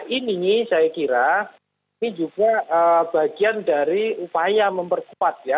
ini saya kira ini juga bagian dari upaya memperkuat ya